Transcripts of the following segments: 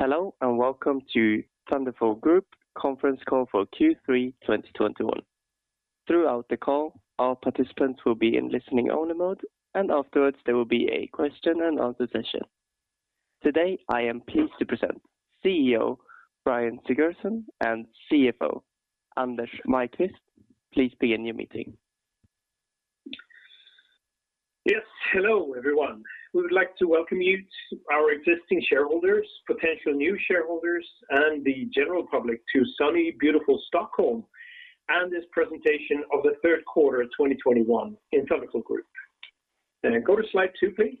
Hello and welcome to Thunderful Group conference call for Q3 2021. Throughout the call, all participants will be in listening only mode, and afterwards there will be a question and answer session. Today, I am pleased to present CEO Brjánn Sigurgeirsson and CFO Anders Maiqvist. Please begin your meeting. Yes. Hello, everyone. We would like to welcome you, our existing shareholders, potential new shareholders and the general public to sunny, beautiful Stockholm, and this presentation of the Q3 2021 in Thunderful Group. Go to slide two, please.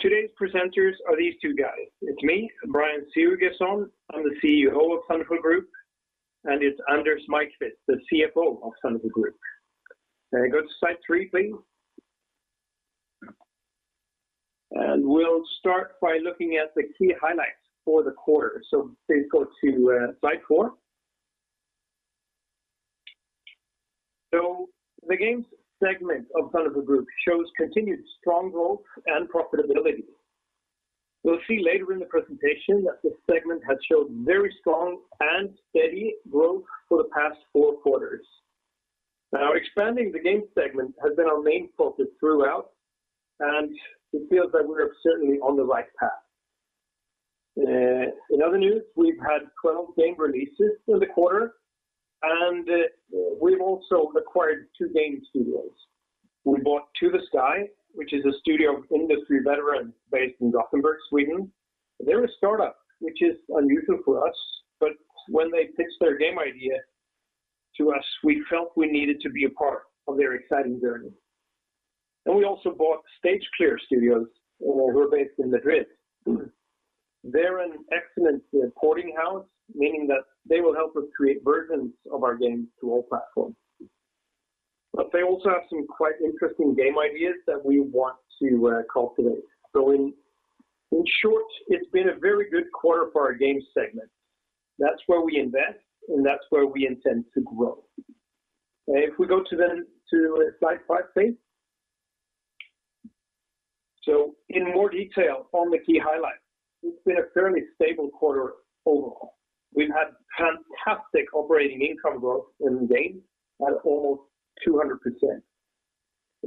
Today's presenters are these two guys. It's me, Brjánn Sigurgeirsson. I'm the CEO of Thunderful Group, and it's Anders Maiqvist, the CFO of Thunderful Group. Go to slide three, please. We'll start by looking at the key highlights for the quarter. Please go to slide four. The games segment of Thunderful Group shows continued strong growth and profitability. We'll see later in the presentation that this segment has showed very strong and steady growth for the past Q4. Now expanding the game segment has been our main focus throughout, and it feels that we are certainly on the right path. In other news, we've had 12 game releases in the quarter, and we've also acquired two game studios. We bought To The Sky, which is a studio of industry veterans based in Gothenburg, Sweden. They're a start-up, which is unusual for us, but when they pitched their game idea to us, we felt we needed to be a part of their exciting journey. We also bought Stage Clear Studios who are based in Madrid. They're an excellent porting house, meaning that they will help us create versions of our games to all platforms. They also have some quite interesting game ideas that we want to cultivate. In short, it's been a very good quarter for our games segment. That's where we invest, and that's where we intend to grow. If we go to slide five, please. In more detail on the key highlights, it's been a fairly stable quarter overall. We've had fantastic operating income growth in Games at almost 200%.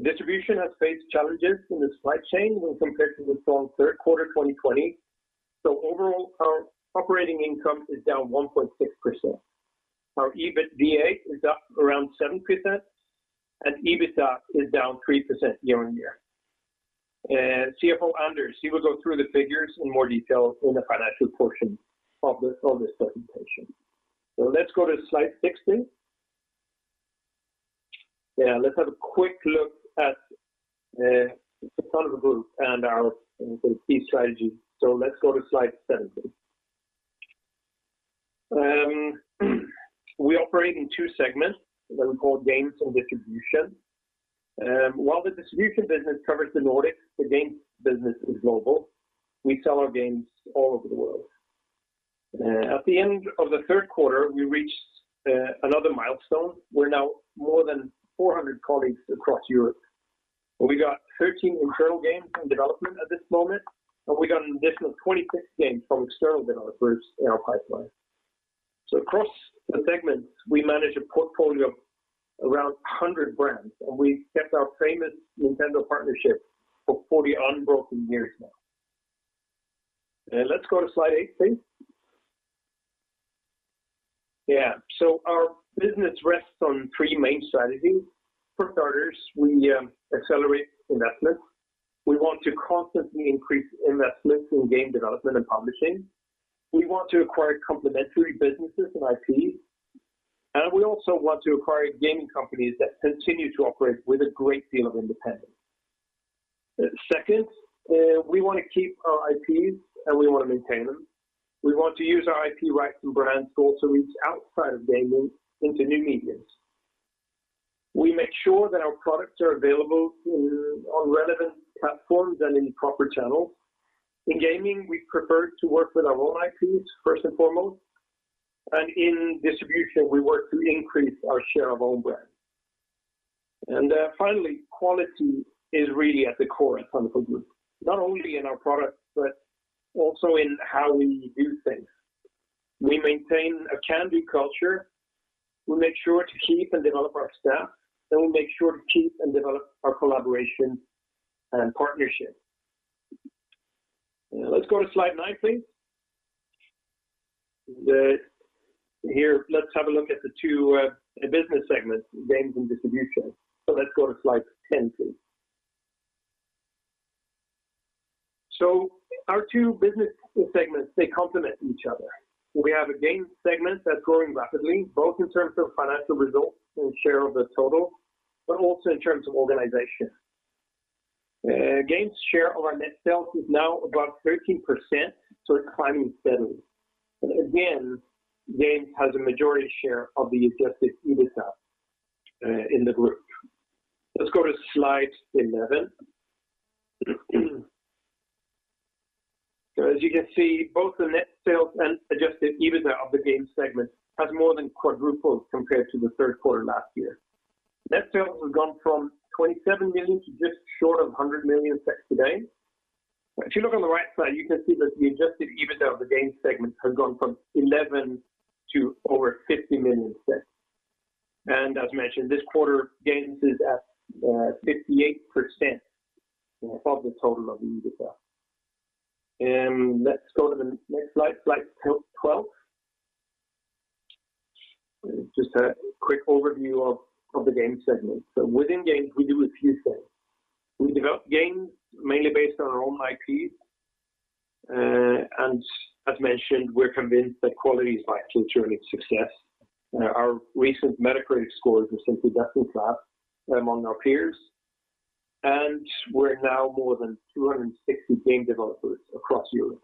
Distribution has faced challenges in the supply chain when compared to the strong Q3 2020. Overall, our operating income is down 1.6%. Our EBITDA is up around 7% and EBITDA is down 3% year-on-year. CFO Anders, he will go through the figures in more detail in the financial portion of this presentation. Let's go to slide six, please. Let's have a quick look at Thunderful Group and our key strategy. Let's go to slide seven, please. We operate in two segments that we call Games and Distribution. While the distribution business covers the Nordics, the games business is global. We sell our games all over the world. At the end of the Q3, we reached another milestone. We're now more than 400 colleagues across Europe. We got 13 internal games in development at this moment, and we got an additional 26 games from external developers in our pipeline. Across the segments, we manage a portfolio of around 100 brands, and we kept our famous Nintendo partnership for 40 unbroken years now. Let's go to slide eight, please. Yeah. Our business rests on three main strategies. For starters, we accelerate investments. We want to constantly increase investments in game development and publishing. We want to acquire complementary businesses and IPs, and we also want to acquire gaming companies that continue to operate with a great deal of independence. Second, we want to keep our IPs, and we want to maintain them. We want to use our IP rights and brands to also reach outside of gaming into new mediums. We make sure that our products are available on relevant platforms and in proper channels. In gaming, we prefer to work with our own IPs first and foremost, and in distribution, we work to increase our share of own brand. Finally, quality is really at the core of Thunderful Group, not only in our products, but also in how we do things. We maintain a can-do culture. We make sure to keep and develop our staff, and we make sure to keep and develop our collaboration and partnership. Let's go to slide nine, please. Here let's have a look at the two business segments, Games and Distribution. Let's go to slide ten, please. Our two business segments, they complement each other. We have a Games segment that's growing rapidly, both in terms of financial results and share of the total, but also in terms of organization. Games share of our net sales is now above 13%, so it's climbing steadily. Again, Games has a majority share of the adjusted EBITDA in the group. Let's go to slide 11. As you can see, both the net sales and adjusted EBITA of the Games segment has more than quadrupled compared to the Q3 last year. Net sales have gone from 27 million to just short of 100 million today. If you look on the right side, you can see that the adjusted EBITA of the Games segment has gone from 11 to over 50 million. As mentioned, this quarter Games is at 58% of the total of EBITA. Let's go to the next slide 12. Just a quick overview of the game segment. Within games, we do a few things. We develop games mainly based on our own IP. As mentioned, we're convinced that quality is vital to earning success. Our recent Metacritic scores are simply best in class among our peers, and we're now more than 260 game developers across Europe.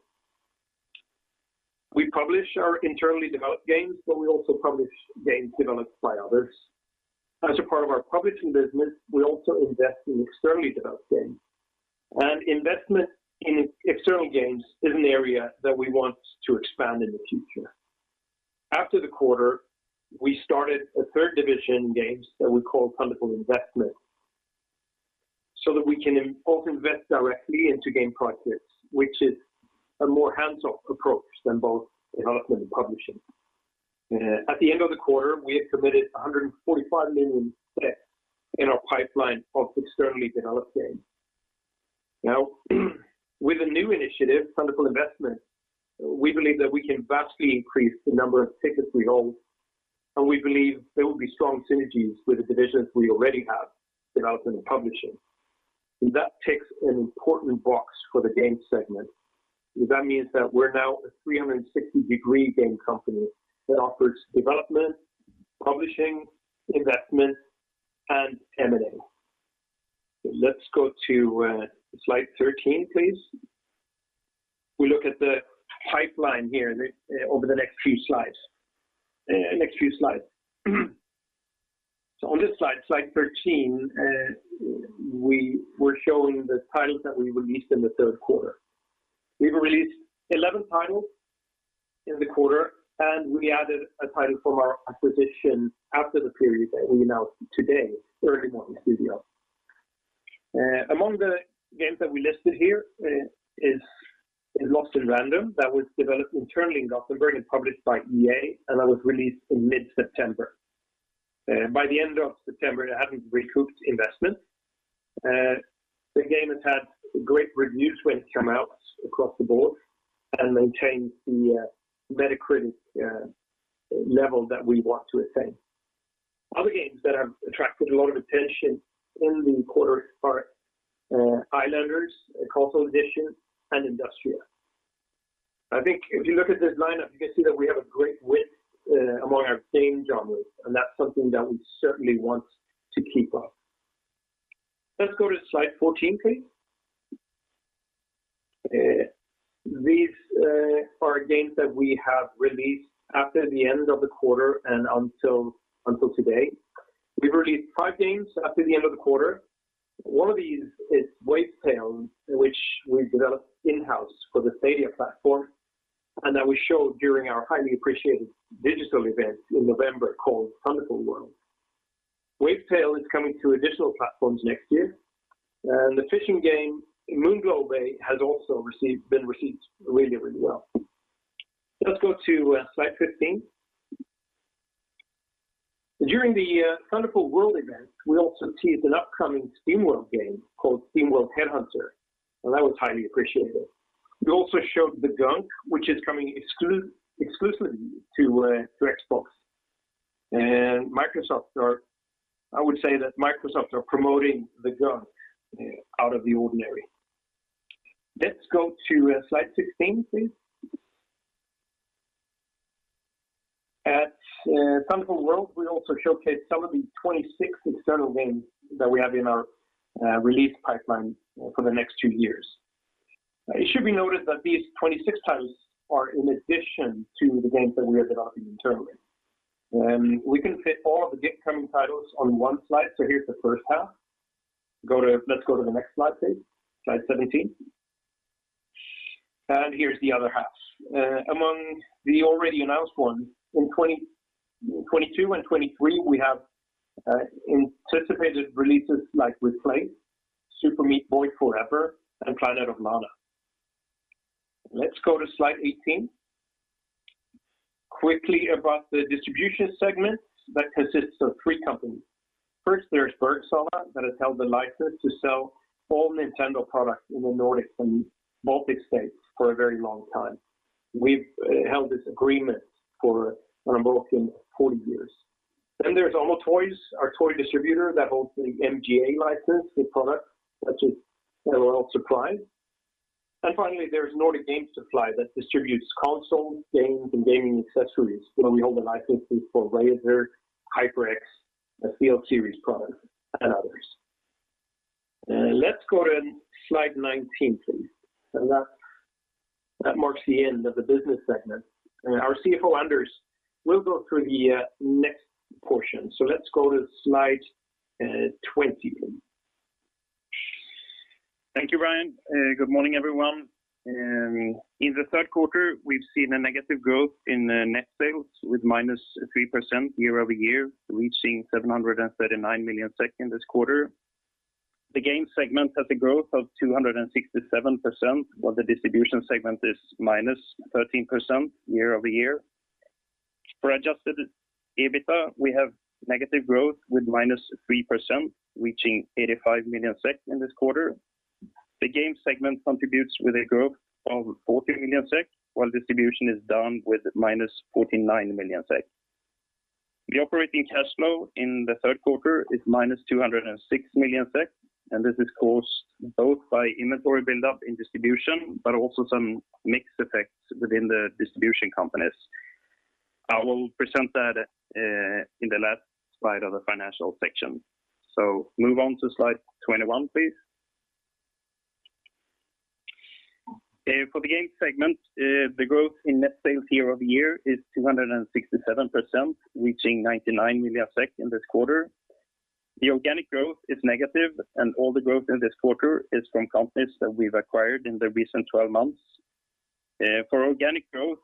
We publish our internally developed games, but we also publish games developed by others. As a part of our publishing business, we also invest in externally developed games. Investment in external games is an area that we want to expand in the future. After the quarter, we started a third division in games that we call Thunderful Investment, so that we can invest directly into game projects, which is a more hands-off approach than both development and publishing. At the end of the quarter, we had committed 145 million in our pipeline of externally developed games. Now, with the new initiative, Thunderful Investment, we believe that we can vastly increase the number of tickets we hold, and we believe there will be strong synergies with the divisions we already have, development and publishing. That ticks an important box for the games segment. That means that we're now a 360-degree game company that offers development, publishing, investment, and M and A. Let's go to slide 13, please. We look at the pipeline here over the next few slides. On this slide 13, we were showing the titles that we released in the Q3. We released 11 titles in the quarter, and we added a title from our acquisition after the period that we announced today, Early Morning Studio. Among the games that we listed here, is Lost in Random that was developed internally in Gothenburg and published by EA, and that was released in mid-September. By the end of September, it had recouped investment. The game has had great reviews when it come out across the board and maintained the Metacritic level that we want to attain. Other games that have attracted a lot of attention in the quarter are Islanders: Console Edition and Industria. I think if you look at this lineup, you can see that we have a great width among our game genres, and that's something that we certainly want to keep up. Let's go to slide 14, please. These are games that we have released after the end of the quarter and until today. We've released five games after the end of the quarter. One of these is Wavetale, which we developed in-house for the Stadia platform, and that we showed during our highly appreciated digital event in November called Thunderful World. Wavetale is coming to additional platforms next year, and the fishing game Moonglow Bay has also been received really, really well. Let's go to slide 15. During the Thunderful World event, we also teased an upcoming SteamWorld game called SteamWorld Headhunter, and that was highly appreciated. We also showed The Gunk, which is coming exclusively to Xbox and I would say that Microsoft are promoting The Gunk out of the ordinary. Let's go to slide 16, please. At Thunderful World, we also showcased some of the 26 external games that we have in our release pipeline for the next two years. It should be noted that these 26 titles are in addition to the games that we are developing internally. We can fit all of the upcoming titles on one slide, so here's the first half. Let's go to the next slide, please. Slide 17. Here's the other half. Among the already announced ones in 2022 and 2023, we have anticipated releases like Replaced, Super Meat Boy Forever, and Planet of Lana. Let's go to slide 18. Quickly about the distribution segment that consists of three companies. First, there's Bergsala that has held the license to sell all Nintendo products in the Nordics and Baltic States for a very long time. We've held this agreement for around about 40 years. Then there's Amo Toys, our toy distributor that holds the MGA license, the product that we all supply. Finally, there's Nordic Game Supply that distributes consoles, games, and gaming accessories, where we hold the licensing for Razer, HyperX, the Victrix series products and others. Let's go to slide 19, please. That marks the end of the business segment. Our CFO, Anders, will go through the next portion. Let's go to slide 20, please. Thank you, Brjánn. Good morning, everyone. In the third quarter, we've seen a negative growth in the net sales with -3% year-over-year, reaching 739 million in this quarter. The game segment has a growth of 267%, while the distribution segment is -13% year-over-year. For adjusted EBITDA, we have negative growth with -3%, reaching 85 million SEK in this quarter. The game segment contributes with a growth of 40 million SEK, while distribution is down with -49 million SEK. The operating cash flow in the third quarter is -206 million SEK, and this is caused both by inventory buildup in distribution, but also some mix effects within the distribution companies. I will present that in the last slide of the financial section. Move on to slide 21, please. For the games segment, the growth in net sales year-over-year is 267%, reaching 99 million SEK in this quarter. The organic growth is negative, and all the growth in this quarter is from companies that we've acquired in the recent 12 months. For organic growth,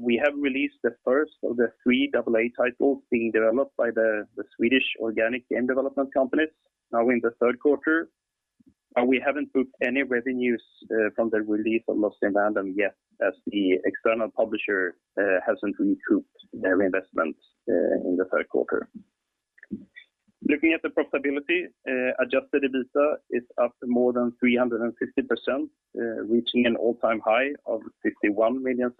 we have released the first of the three AA titles being developed by the Swedish organic game development companies now in the Q3. We haven't booked any revenues from the release of Lost in Random yet as the external publisher hasn't recouped their investment in the third quarter. Looking at the profitability, adjusted EBITDA is up more than 350%, reaching an all-time high of 51 million.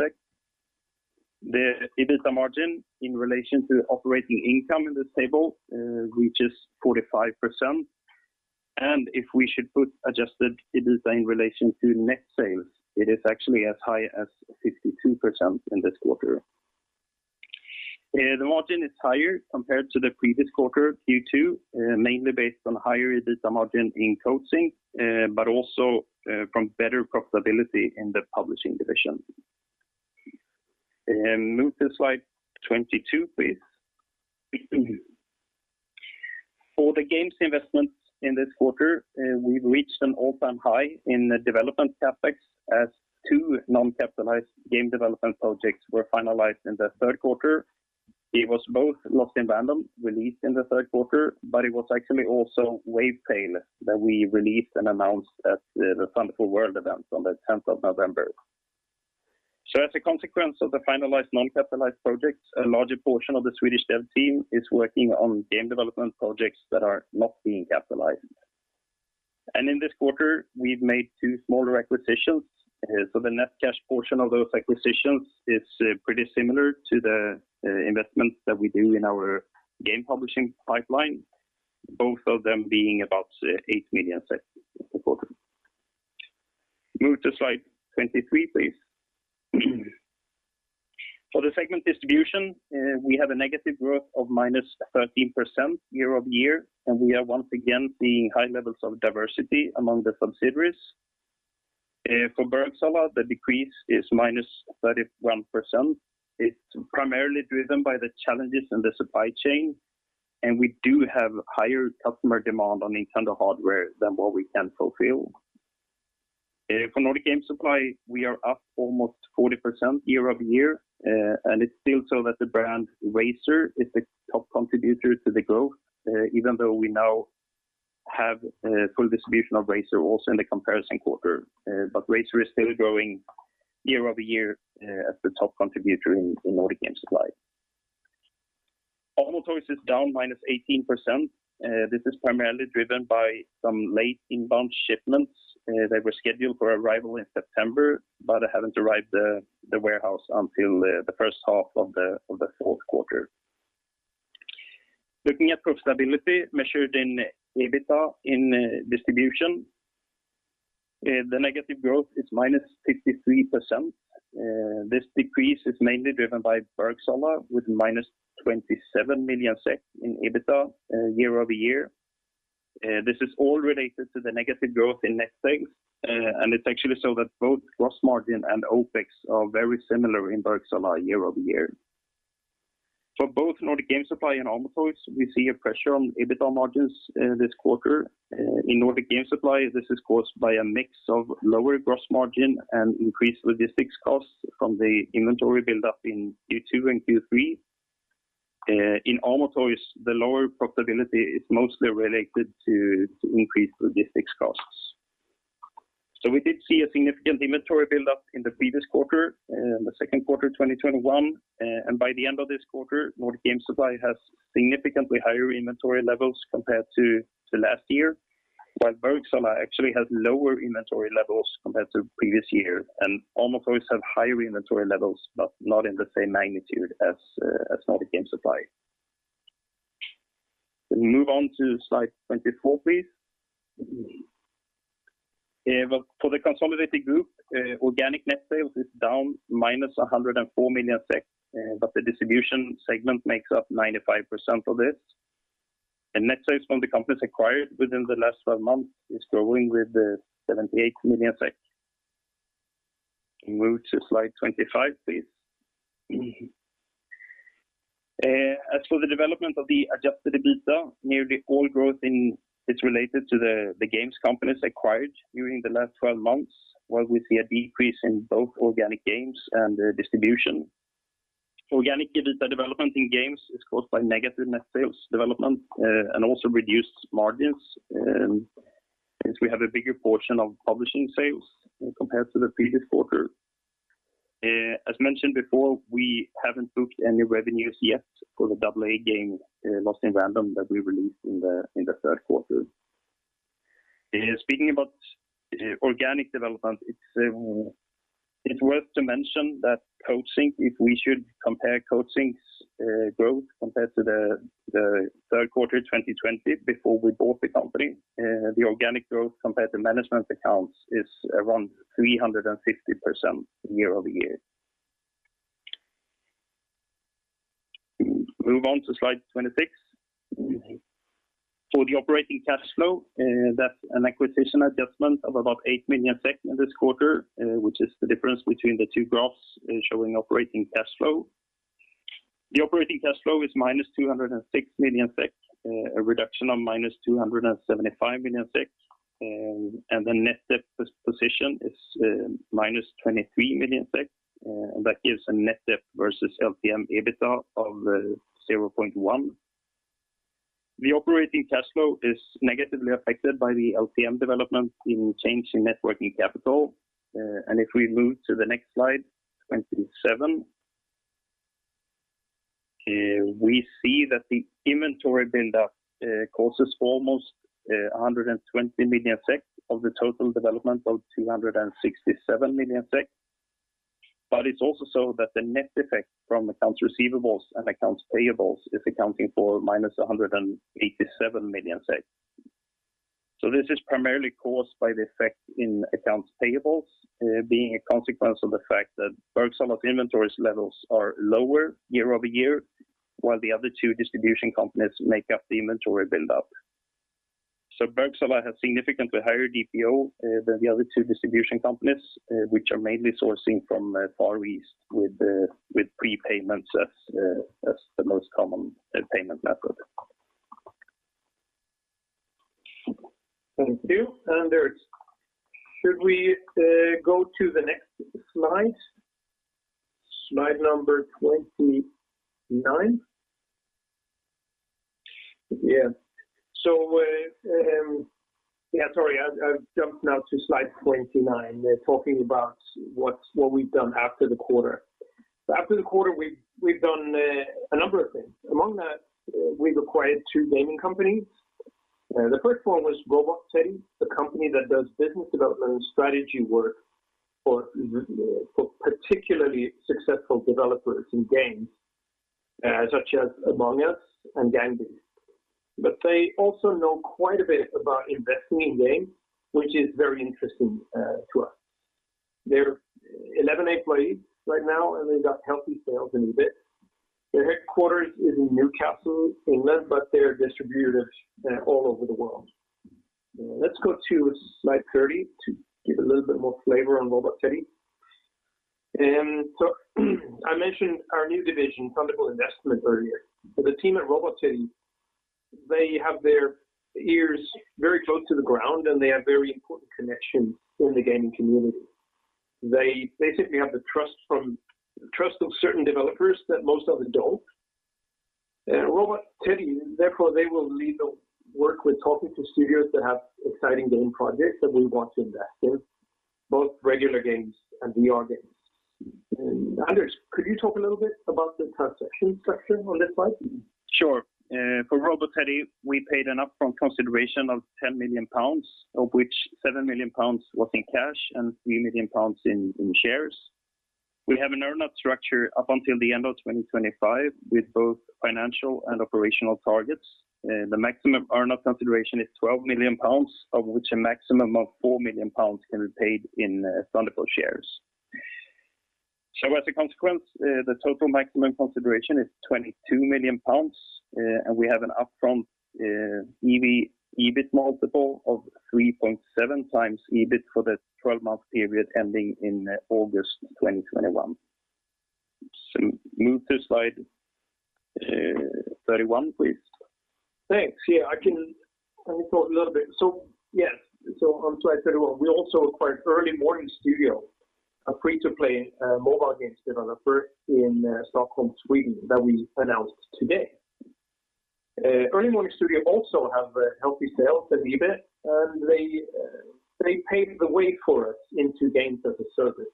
The EBITDA margin in relation to operating income in this table reaches 45%. If we should put adjusted EBITDA in relation to net sales, it is actually as high as 52% in this quarter. The margin is higher compared to the previous quarter, Q2, mainly based on higher EBITDA margin in distribution, but also from better profitability in the publishing division. Move to slide 22, please. For the games investments in this quarter, we've reached an all-time high in the development CapEx as two non-capitalized game development projects were finalized in the Q3. It was both Lost in Random released in the Q3, but it was actually also Wavetale that we released and announced at the Thunderful World event on the 10 of November. As a consequence of the finalized non-capitalized projects, a larger portion of the Swedish dev team is working on game development projects that are not being capitalized. In this quarter, we've made two smaller acquisitions. So the net cash portion of those acquisitions is pretty similar to the investments that we do in our game publishing pipeline, both of them being about 8 million per quarter. Move to slide 23, please. For the segment distribution, we have a negative growth of minus 13% year-over-year, and we are once again seeing high levels of diversity among the subsidiaries. For Bergsala, the decrease is minus 31%. It's primarily driven by the challenges in the supply chain, and we do have higher customer demand on Nintendo hardware than what we can fulfill. For Nordic Game Supply, we are up almost 40% year-over-year. It's still so that the brand Razer is the top contributor to the growth, even though we now have full distribution of Razer also in the comparison quarter. Razer is still growing year-over-year as the top contributor in Nordic Game Supply. All other sales is down -18%. This is primarily driven by some late inbound shipments. They were scheduled for arrival in September, but they haven't arrived at the warehouse until the first half of the Q4. Looking at profitability measured in EBITDA in distribution, the negative growth is -53%. This decrease is mainly driven by Bergsala with - 27 million SEK in EBITDA year-over-year. This is all related to the negative growth in net sales, and it's actually so that both gross margin and OpEx are very similar in Bergsala year-over-year. For both Nordic Game Supply and Amo Toys, we see a pressure on EBITDA margins this quarter. In Nordic Game Supply, this is caused by a mix of lower gross margin and increased logistics costs from the inventory buildup in Q2 and Q3. In Amo Toys, the lower profitability is mostly related to increased logistics costs. We did see a significant inventory buildup in the previous quarter, the Q2 2021. By the end of this quarter, Nordic Game Supply has significantly higher inventory levels compared to last year. While Bergsala actually has lower inventory levels compared to previous year. Almost always have higher inventory levels, but not in the same magnitude as Nordic Game Supply. Move on to slide 24, please. Well, for the consolidated group, organic net sales is down - 104 million, but the distribution segment makes up 95% of this. The net sales from the companies acquired within the last 12 months is growing with the 78 million SEK. Move to slide 25, please. As for the development of the adjusted EBITDA, nearly all growth is related to the games companies acquired during the last 12 months, while we see a decrease in both organic games and distribution. Organic EBITDA development in games is caused by negative net sales development, and also reduced margins, since we have a bigger portion of publishing sales compared to the previous quarter. As mentioned before, we haven't booked any revenues yet for the AA game, Lost in Random, that we released in the Q3. Speaking about organic development, it's worth to mention that Coatsink, if we should compare Coatsink's growth compared to the third quarter of 2020 before we bought the company, the organic growth compared to management accounts is around 350% year-over-year. Move on to slide 26. For the operating cash flow, that's an acquisition adjustment of about 8 million SEK in this quarter, which is the difference between the two graphs showing operating cash flow. The operating cash flow is -206 million SEK, a reduction of -275 million SEK. The net debt position is -23 million SEK. That gives a net debt versus LTM EBITDA of 0.1. The operating cash flow is negatively affected by the LTM development in change in working capital. If we move to the next slide, 27. We see that the inventory buildup causes almost 120 million SEK of the total development of 267 million SEK. It's also so that the net effect from accounts receivable and accounts payable is accounting for -187 million. This is primarily caused by the effect in accounts payable being a consequence of the fact that Bergsala's inventory levels are lower year-over-year, while the other two distribution companies make up the inventory buildup. Bergsala has significantly higher DPO than the other two distribution companies, which are mainly sourcing from Far East with prepayments as the most common payment method. Thank you. Anders, should we go to the next slide? Slide number 29. Sorry, I jumped now to slide 29. They're talking about what we've done after the quarter. After the quarter, we've done a number of things. Among that, we've acquired two gaming companies. The first one was Robot Teddy, the company that does business development and strategy work for particularly successful developers in games, such as Among us and Gang Beasts. They also know quite a bit about investing in games, which is very interesting to us. They're 11 employees right now, and they've got healthy sales and EBIT. Their headquarters is in Newcastle, England, but they're distributed all over the world. Let's go to slide 30 to give a little bit more flavor on Robot Teddy. I mentioned our new division, Thunderful Investment, earlier. The team at Robot Teddy, they have their ears very close to the ground, and they have very important connections in the gaming community. They simply have the trust of certain developers that most of them don't. Robot Teddy, therefore, they will lead the work with talking to studios that have exciting game projects that we want to invest in, both regular games and VR games. Anders, could you talk a little bit about the transaction section on this slide? Sure. For Robot Teddy, we paid an upfront consideration of 10 million pounds, of which 7 million pounds was in cash and 3 million pounds in shares. We have an earn out structure up until the end of 2025 with both financial and operational targets. The maximum earn out consideration is 12 million pounds, of which a maximum of 4 million pounds can be paid in Thunderful shares. As a consequence, the total maximum consideration is 22 million pounds, and we have an upfront EV/EBIT multiple of 3.7x EBIT for the 12-month period ending in August 2021. Move to slide 31, please. Thanks. Yeah, I will talk a little bit. Yes, on slide 31, we also acquired Early Morning Studio, a free-to-play mobile games developer in Stockholm, Sweden, that we announced today. Early Morning Studio also have a healthy sales and EBIT, and they paved the way for us into games as a service.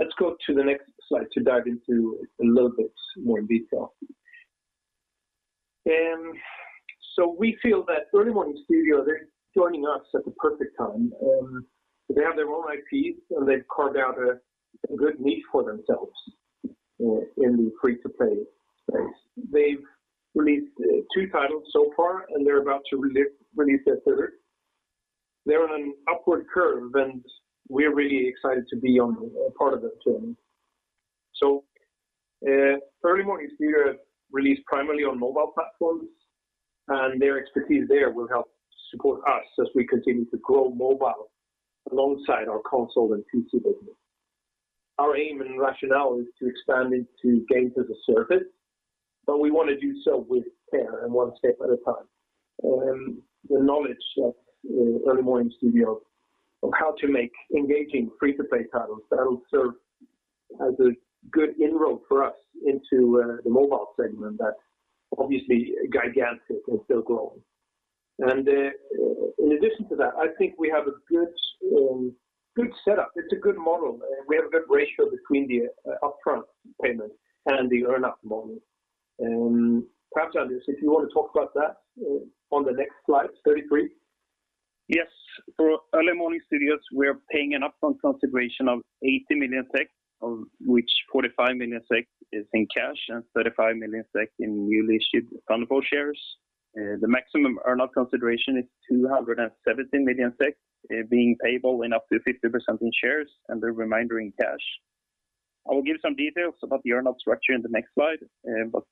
Let's go to the next slide to dive into a little bit more detail. We feel that Early Morning Studio, they're joining us at the perfect time. They have their own IPs, and they've carved out a good niche for themselves in the free-to-play space. They've released two titles so far, and they're about to release their third. They're on an upward curve, and we're really excited to be a part of that journey. Early Morning Studio released primarily on mobile platforms, and their expertise there will help support us as we continue to grow mobile alongside our console and PC business. Our aim and rationale is to expand into games as a service, but we want to do so with care and one step at a time. The knowledge of Early Morning Studio of how to make engaging free-to-play titles that will serve as a good inroad for us into the mobile segment that obviously gigantic and still growing. In addition to that, I think we have a good setup. It's a good model. We have a good ratio between the upfront payment and the earn-out model. Perhaps, Anders, if you want to talk about that on the next slide, 33. Yes. For Early Morning Studio, we are paying an upfront consideration of 80 million SEK, of which 45 million SEK is in cash and 35 million SEK in newly issued Thunderful shares. The maximum earn-out consideration is 217 million SEK, being payable in up to 50% in shares and the remainder in cash. I will give some details about the earn-out structure in the next slide.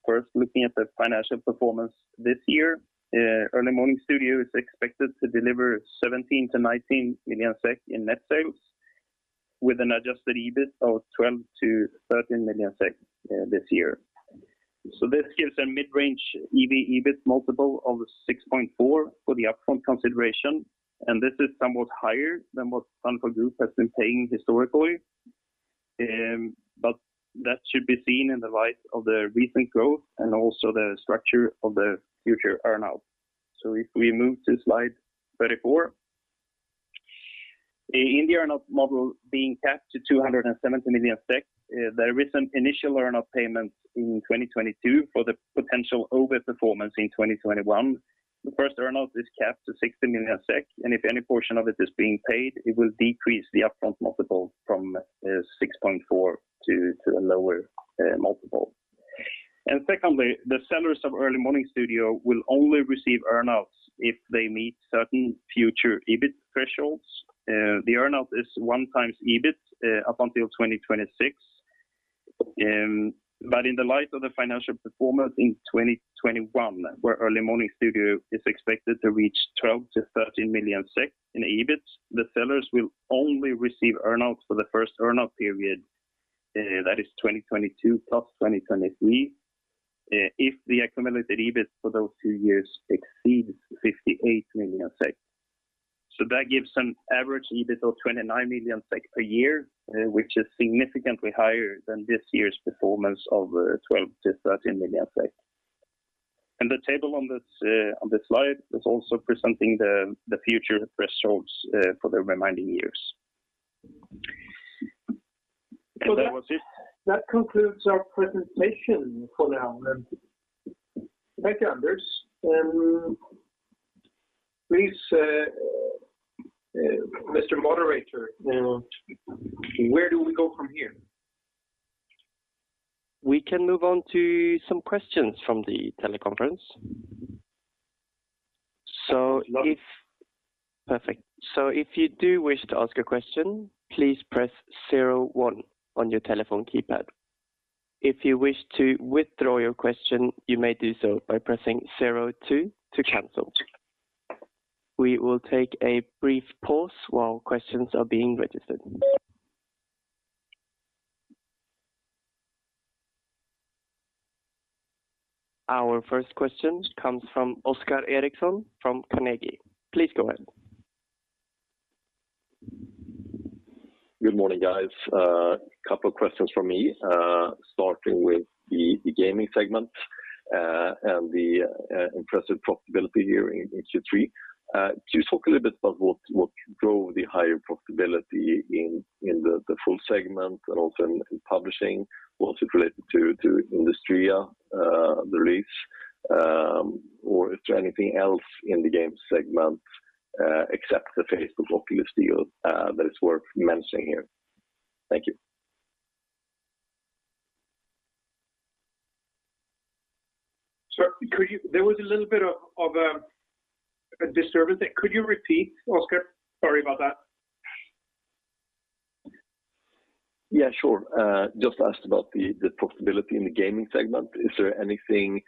First, looking at the financial performance this year, Early Morning Studio is expected to deliver 17 million-19 million SEK in net sales with an adjusted EBIT of 12 million-13 million SEK, this year. This gives a mid-range EV/EBIT multiple of 6.4 for the upfront consideration, and this is somewhat higher than what Thunderful Group has been paying historically. That should be seen in the light of the recent growth and also the structure of the future earn-out. If we move to slide 34. In the earn-out model being capped to 217 million, there is an initial earn-out payment in 2022 for the potential overperformance in 2021. The first earn-out is capped to 60 million SEK, and if any portion of it is being paid, it will decrease the upfront multiple from 6.4 to a lower multiple. Secondly, the sellers of Early Morning Studio will only receive earn-outs if they meet certain future EBIT thresholds. The earn-out is 1x EBIT up until 2026. In the light of the financial performance in 2021, where Early Morning Studio is expected to reach 12 million-13 million in EBIT, the sellers will only receive earn-outs for the first earn-out period, that is 2022 plus 2023, if the accumulated EBIT for those two years exceeds 58 million SEK. That gives an average EBIT of 29 million SEK per year, which is significantly higher than this year's performance of 12 million-13 million SEK. The table on this slide is also presenting the future thresholds for the remaining years. That was it. That concludes our presentation for now. Thank you, Anders. Please, Mr. Moderator, where do we go from here? We can move on to some questions from the teleconference. Love it. Our first question comes from Oskar Eriksson from Carnegie. Please go ahead. Good morning, guys. A couple of questions from me, starting with the gaming segment and the impressive profitability here in Q3. Could you talk a little bit about what drove the higher profitability in the gaming segment and also in publishing? Was it related to Industria release? Or is there anything else in the game segment, except the Facebook Oculus deal, that is worth mentioning here? Thank you. There was a little bit of a disturbance there. Could you repeat, Oskar? Sorry about that. Yeah, sure. Just asked about the profitability in the gaming segment. Is there anything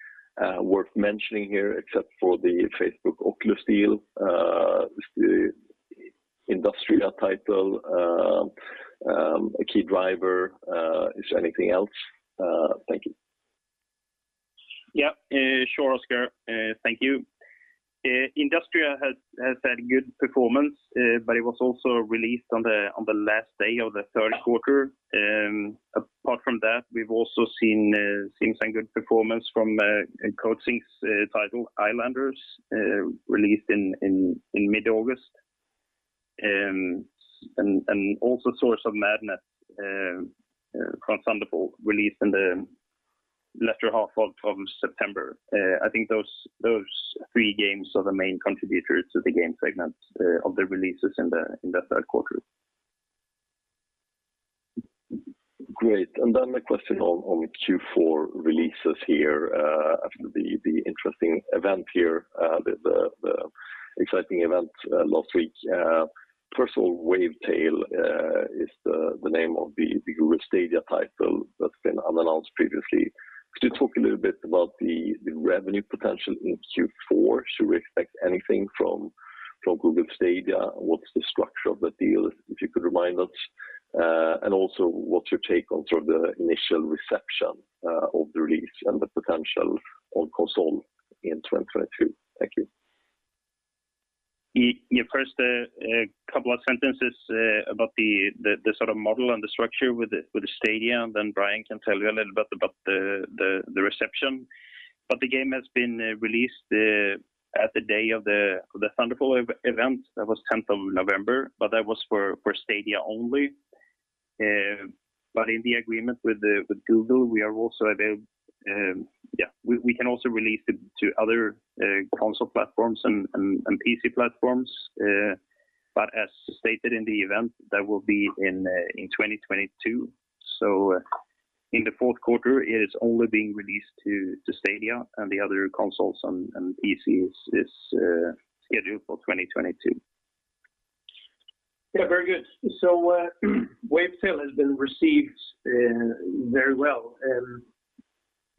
worth mentioning here except for the Facebook Oculus deal? Is the Industria title a key driver? Is there anything else? Thank you. Yeah. Sure, Oskar. Thank you. Industria has had good performance, but it was also released on the last day of the Q3. Apart from that, we've also seen some good performance from Coatsink's title, Islanders, released in mid-August. Also Source of Madness from Thunderful released in the latter half of September. I think those three games are the main contributors to the game segment of the releases in the Q3. Great. Then the question on Q4 releases here after the exciting event last week. First of all, Wavetale is the name of the Google Stadia title that's been unannounced previously. Could you talk a little bit about the revenue potential in Q4? Should we expect anything from Google Stadia? What's the structure of the deal, if you could remind us? Also what's your take on sort of the initial reception of the release and the potential on console in 2022? Thank you. Yeah. First, a couple of sentences about the sort of model and the structure with the Stadia, and then Brian can tell you a little bit about the reception. The game has been released at the day of the Thunderful World that was tenth of November, but that was for Stadia only. In the agreement with Google, we can also release it to other console platforms and PC platforms. As stated in the event, that will be in 2022. In the Q4, it is only being released to Stadia, and the other consoles and PCs is scheduled for 2022. Yeah, very good.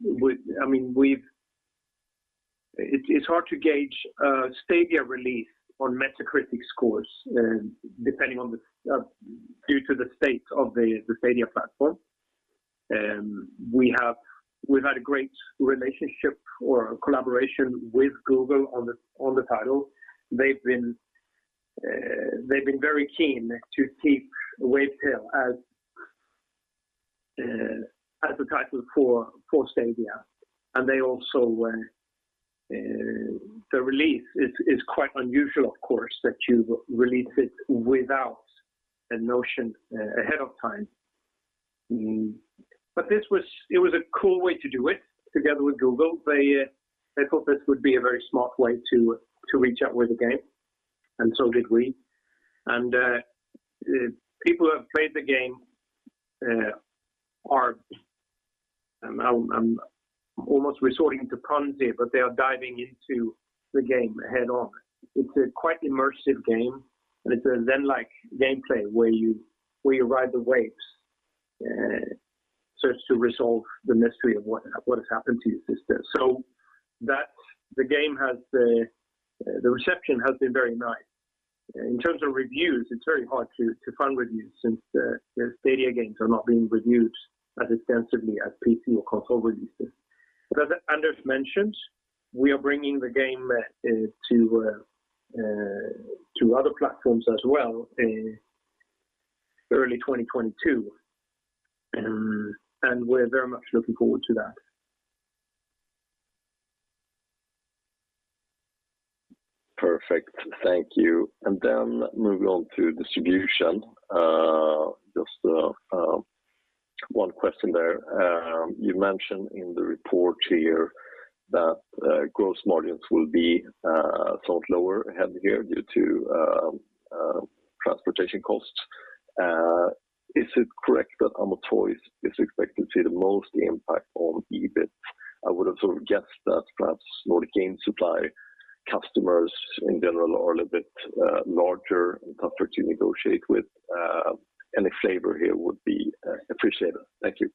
Wavetale has been received very well. It's hard to gauge a Stadia release on Metacritic scores due to the state of the Stadia platform. We've had a great relationship or collaboration with Google on the title. They've been very keen to keep Wavetale as a title for Stadia. They also, the release is quite unusual, of course, that you release it without a notification ahead of time. It was a cool way to do it together with Google. They thought this would be a very smart way to reach out with the game, and so did we. People who have played the game are. I'm almost resorting to puns here, but they are diving into the game head on. It's a quite immersive game, and it's a Zen-like gameplay where you ride the waves, search to resolve the mystery of what has happened to your sister. The reception has been very nice. In terms of reviews, it's very hard to find reviews since the Stadia games are not being reviewed as extensively as PC or console releases. As Anders mentioned, we are bringing the game to other platforms as well in early 2022. We're very much looking forward to that. Perfect. Thank you. Moving on to distribution, just one question there. You mentioned in the report here that gross margins will be thought lower ahead here due to transportation costs. Is it correct that Amo Toys is expected to see the most impact on EBIT? I would have sort of guessed that perhaps Nordic Game Supply customers in general are a little bit larger and tougher to negotiate with. Any flavor here would be appreciated. Thank you.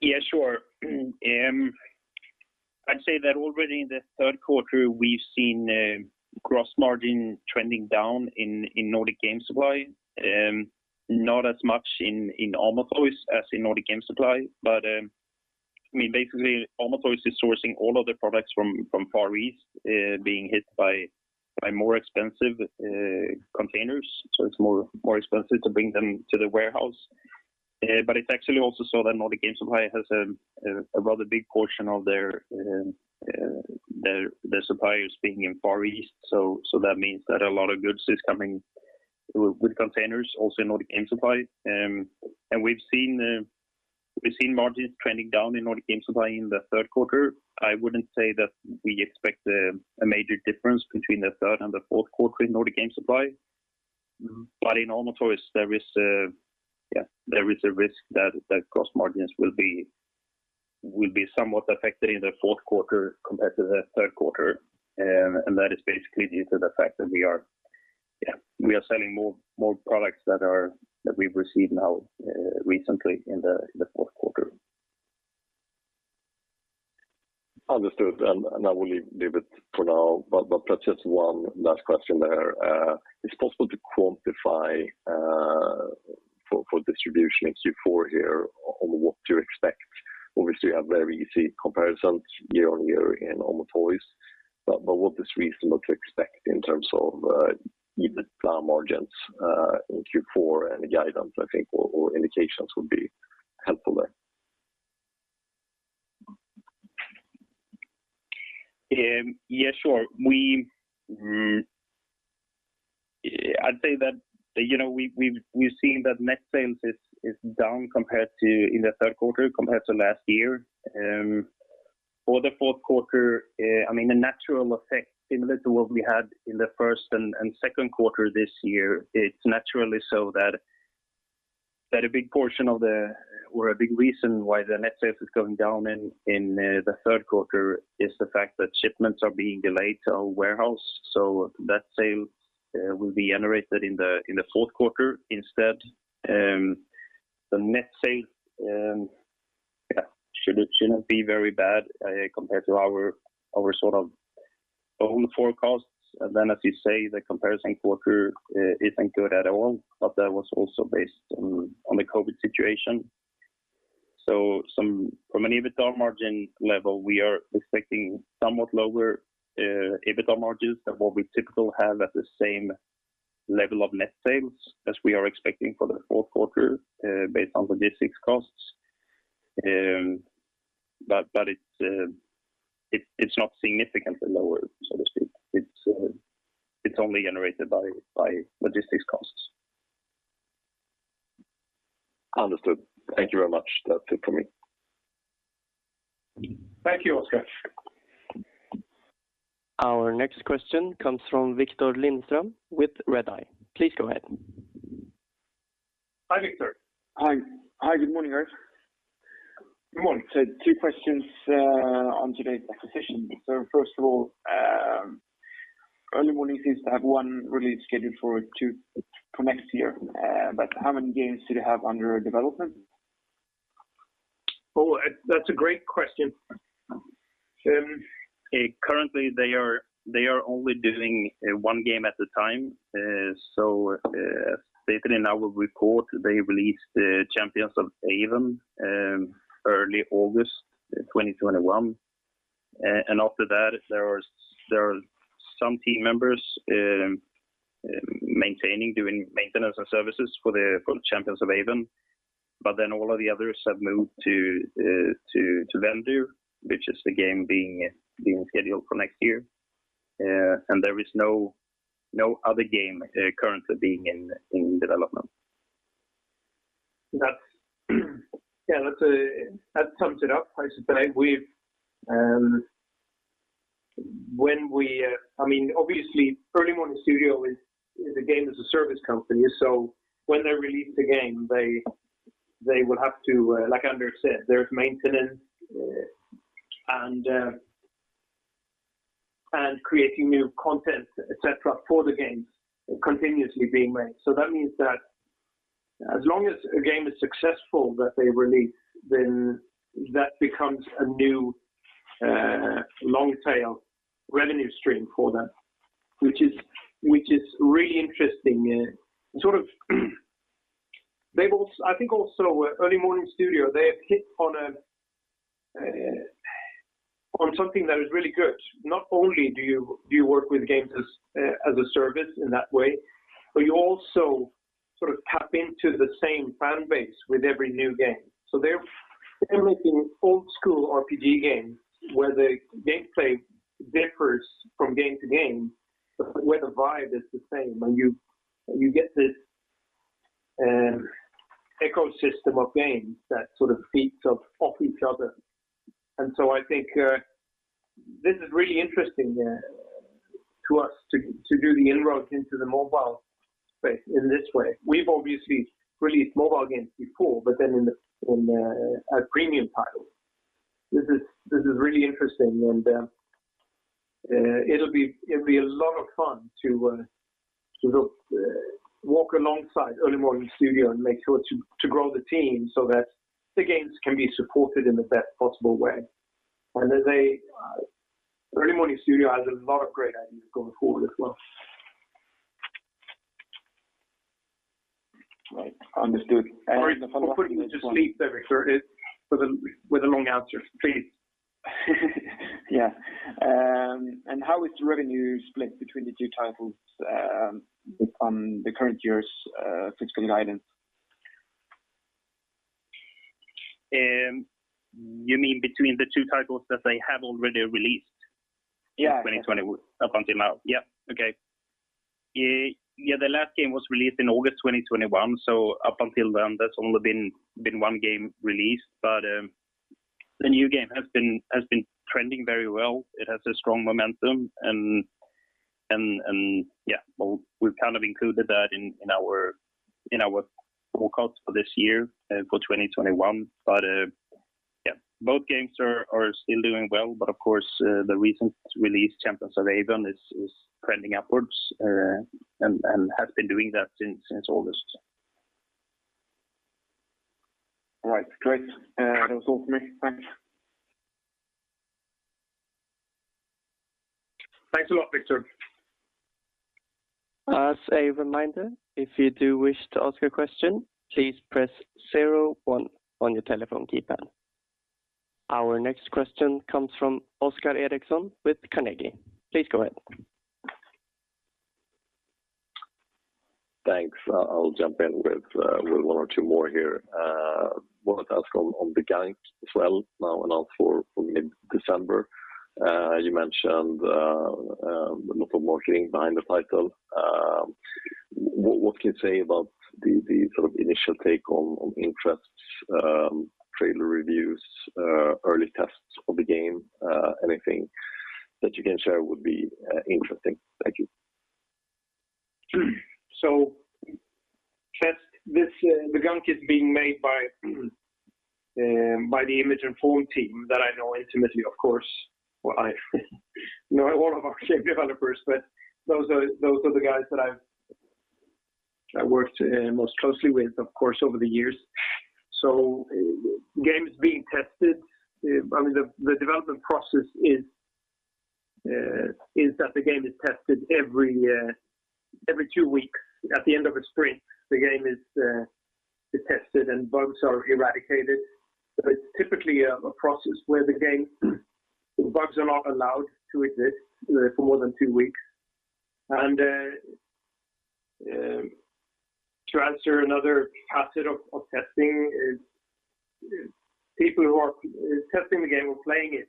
Yeah, sure. I'd say that already in the third quarter, we've seen gross margin trending down in Nordic Game Supply. Not as much in Amo Toys as in Nordic Game Supply. I mean, basically Amo Toys is sourcing all of their products from Far East, being hit by more expensive containers, so it's more expensive to bring them to the warehouse. It's actually also so that Nordic Game Supply has a rather big portion of their suppliers being in Far East. That means that a lot of goods is coming with containers also in Nordic Game Supply. We've seen margins trending down in Nordic Game Supply in the Q3. I wouldn't say that we expect a major difference between the third and the fourth quarter in Nordic Game Supply. In Amo Toys, there is a risk that gross margins will be somewhat affected in the fourth quarter compared to the third quarter. That is basically due to the fact that we are selling more products that we've received now recently in the Q4. Understood. I will leave it for now. Perhaps just one last question there. It's possible to quantify for distribution in Q4 here on what you expect. Obviously you have very easy comparisons year-over-year in Amo Toys, but what is reasonable to expect in terms of EBITA margins in Q4 and guidance, I think, or indications would be helpful there? Yeah, sure. I'd say that, you know, we've seen that net sales is down compared to in the Q3 compared to last year. For the Q4, I mean, the natural effect similar to what we had in the first and Q2 this year. It's naturally so that a big portion of the or a big reason why the net sales is going down in the Q3 is the fact that shipments are being delayed to our warehouse. So that sale will be generated in the fourth quarter instead. The net sales yeah shouldn't be very bad compared to our sort of own forecasts. As you say, the comparison quarter isn't good at all, but that was also based on the COVID situation. From an EBITDA margin level, we are expecting somewhat lower EBITDA margins than what we typically have at the same level of net sales as we are expecting for the Q4, based on the logistics costs. It's not significantly lower, so to speak. It's only generated by logistics costs. Understood. Thank you very much. That's it for me. Thank you, Oskar. Our next question comes from Viktor Lindström with Redeye. Please go ahead. Hi, Viktor. Hi. Hi, good morning, guys. Good morning. Two questions on today's acquisition. First of all, Early Morning seems to have one release scheduled for next year. But how many games do they have under development? Oh, that's a great question. Currently they are only doing one game at a time. Stated in our report, they released Vampire's Fall: Origins early August 2021. After that there are some team members maintaining, doing maintenance and services for the Vampire's Fall: Origins. All of the others have moved to Vendir: Plague of Lies, which is the game being scheduled for next year. There is no other game currently being in development. That's that sums it up. I should say when we, I mean, obviously Early Morning Studio is a Games as a Service company. When they release the game, they will have to, like Anders said, there's maintenance and creating new content, et cetera, for the games continuously being made. That means that as long as a game is successful that they release, then that becomes a new long tail revenue stream for them, which is really interesting. Sort of, they've also—I think also Early Morning Studio, they have hit on something that is really good. Not only do you work with Games as a Service in that way, but you also sort of tap into the same fan base with every new game. They're making old school RPG games where the gameplay differs from game to game, but where the vibe is the same and you get this ecosystem of games that sort of feeds off each other. I think this is really interesting to us to do the inroads into the mobile space in this way. We've obviously released mobile games before, but then in a premium title. This is really interesting and it'll be a lot of fun to walk alongside Early Morning Studio and make sure to grow the team so that the games can be supported in the best possible way. Early Morning Studio has a lot of great ideas going forward as well. Right. Understood. The follow up. Sorry to just leap there, Viktor, but with a long answer, please. Yeah. How is revenue split between the two titles, on the current year's fiscal guidance? You mean between the two titles that they have already released? Yeah In 2021 up until now? Yeah. Okay. Yeah, the last game was released in August 2021, so up until then that's only been one game released. The new game has been trending very well. It has a strong momentum and yeah, we've kind of included that in our forecast for this year, for 2021. Yeah, both games are still doing well. Of course, the recent release, Vampire's Fall: Origins, is trending upwards and has been doing that since August. All right, great. That was all for me. Thanks. Thanks a lot, Viktor. As a reminder, if you do wish to ask a question, please press zero one on your telephone keypad. Our next question comes from Oskar Eriksson with Carnegie. Please go ahead. Thanks. I'll jump in with one or two more here. One that's on Gunk as well now and all for mid-December. You mentioned a lot of marketing behind the title. What can you say about the sort of initial takeaway on interest, trailer reviews, early tests of the game? Anything that you can share would be interesting. Thank you. The Gunk is being made by the Image & Form team that I know intimately, of course. Well, I know a lot of our game developers, but those are the guys that I've worked most closely with, of course, over the years. The game is being tested. I mean, the development process is that the game is tested every two weeks. At the end of a sprint, the game is tested and bugs are eradicated. It's typically a process where the game bugs are not allowed to exist for more than two weeks. To answer another facet of testing is people who are testing the game or playing it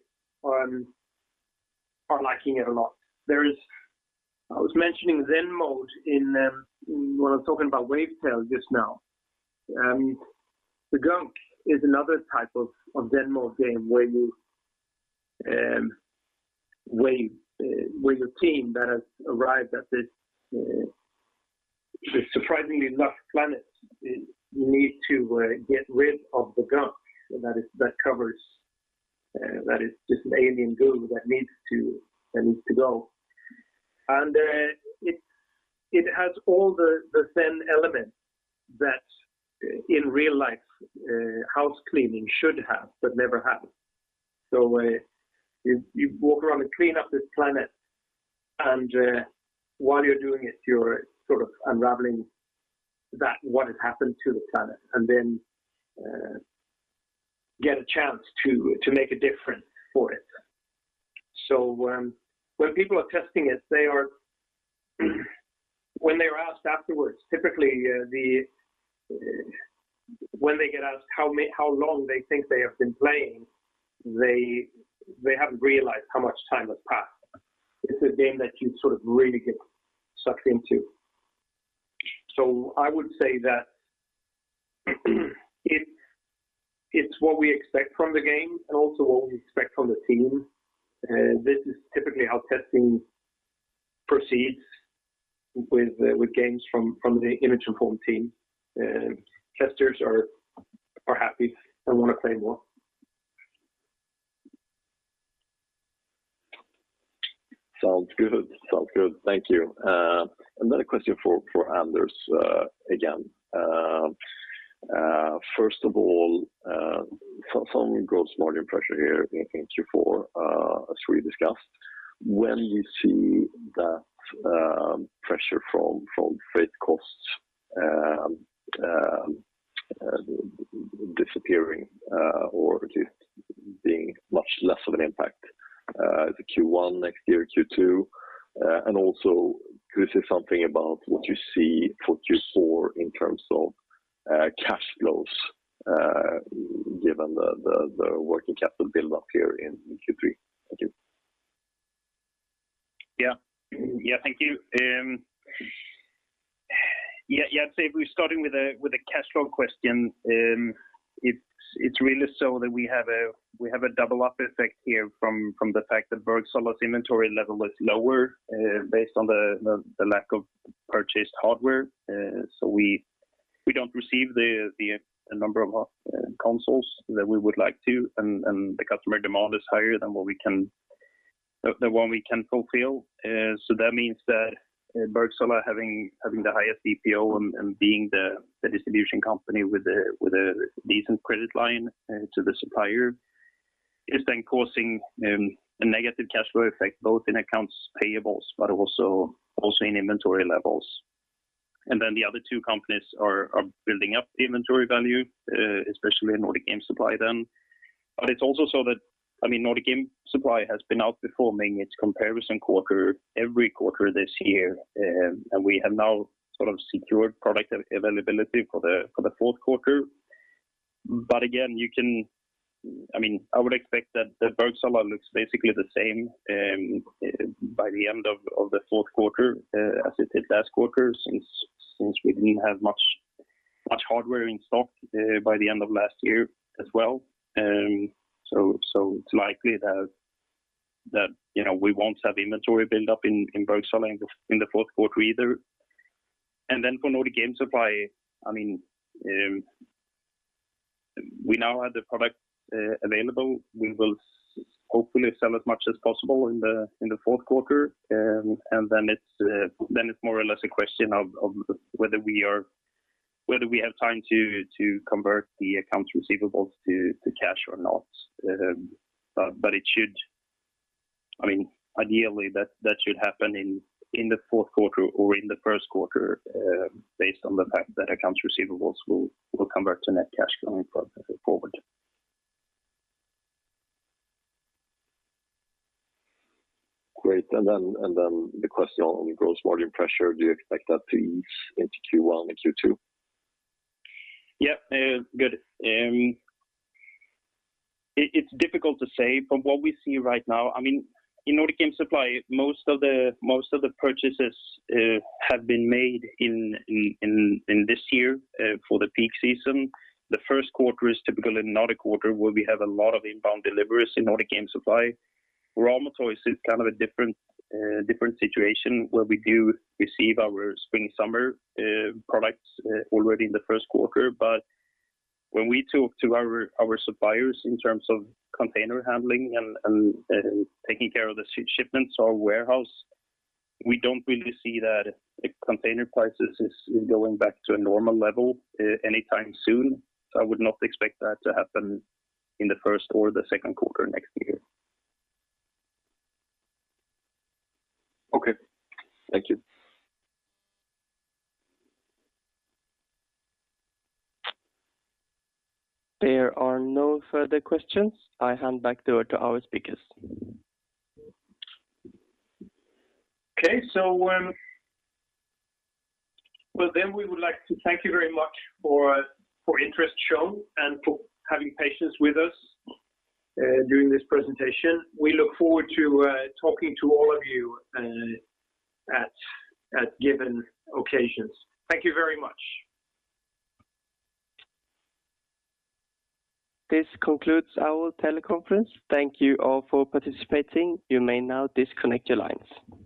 are liking it a lot. I was mentioning Zen mode in when I was talking about Wavetale just now. The Gunk is another type of Zen mode game where your team that has arrived at this surprisingly lush planet, you need to get rid of the gunk that covers, that is just an alien goo that needs to go. It has all the Zen elements that in real life house cleaning should have but never have. You walk around and clean up this planet and while you're doing it, you're sort of unraveling what has happened to the planet and then you get a chance to make a difference for it. When people are testing it, when they are asked afterwards, typically, when they get asked how long they think they have been playing, they haven't realized how much time has passed. It's a game that you sort of really get sucked into. I would say that it's what we expect from the game and also what we expect from the team. This is typically how testing proceeds with games from the Image & Form team. Testers are happy and wanna play more. Sounds good. Sounds good. Thank you. Another question for Anders again. First of all, some gross margin pressure here in Q4, as we discussed. When do you see that pressure from freight costs disappearing, or just being much less of an impact, is it Q1 next year, Q2? And also could you say something about what you see for Q4 in terms of cash flows, given the working capital build up here in Q3? Thank you. Yeah, thank you. Yeah, I'd say if we're starting with a cash flow question, it's really so that we have a double up effect here from the fact that Bergsala's inventory level was lower based on the lack of purchased hardware. So we don't receive a number of consoles that we would like to, and the customer demand is higher than what we can fulfill. So that means that Bergsala having the highest DPO and being the distribution company with a decent credit line to the supplier is then causing a negative cash flow effect, both in accounts payables but also in inventory levels. Then the other two companies are building up inventory value, especially in Nordic Game Supply then. It's also so that, I mean, Nordic Game Supply has been outperforming its comparison quarter-every-quarter this year. We have now sort of secured product availability for the fourth Q4. Again, I mean, I would expect that Bergsala looks basically the same by the end of the Q4 as it did last quarter since we didn't have much hardware in stock by the end of last year as well. It's likely that, you know, we won't have inventory build up in Bergsala in the Q4 either. Then for Nordic Game Supply, I mean, we now have the product available. We will hopefully sell as much as possible in the Q4. It's more or less a question of whether we have time to convert the accounts receivable to cash or not. It should, I mean, ideally, that should happen in the Q4 or in the Q1, based on the fact that accounts receivable will convert to net cash flowing forward. Great. The question on gross margin pressure, do you expect that to ease into Q1 and Q2? Yeah. Good. It's difficult to say, but what we see right now, I mean, in Nordic Game Supply, most of the purchases have been made in this year for the peak season. The Q1 is typically not a quarter where we have a lot of inbound deliveries in Nordic Game Supply. Amo Toys is kind of a different situation where we do receive our spring/summer products already in the Q1. But when we talk to our suppliers in terms of container handling and taking care of the shipments to our warehouse, we don't really see that the container prices is going back to a normal level anytime soon. I would not expect that to happen in the first or the Q2 next year. Okay. Thank you. There are no further questions. I hand back over to our speakers. Okay. Well, we would like to thank you very much for interest shown and for having patience with us during this presentation. We look forward to talking to all of you at given occasions. Thank you very much. This concludes our teleconference. Thank you all for participating. You may now disconnect your lines.